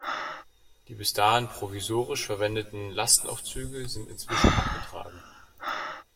Die bis dahin provisorisch verwendeten Lastenaufzüge sind inzwischen abgetragen.